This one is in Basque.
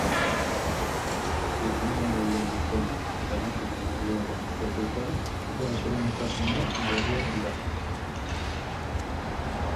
Lanean dauden gizonen eta emakumeen egoera aztertuta ere ezberdintasunak nabariak dira.